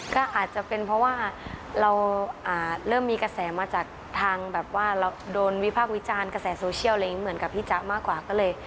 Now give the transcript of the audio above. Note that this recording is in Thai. ก็อาจจะเป็นเพราะว่าเราเริ่มมีกระแสมาจากทางแบบว่าเราโดนวิพากษ์วิจารณ์กระแสโซเชียลอะไรอย่างนี้เหมือนกับพี่จ๊ะมากกว่าก็เลย